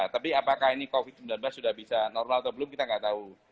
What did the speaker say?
tapi apakah ini covid sembilan belas sudah bisa normal atau belum kita nggak tahu